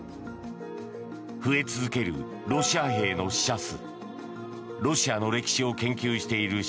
増え続けるロシア兵の死者数。